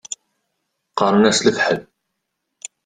Qqaṛen-as lefḥel.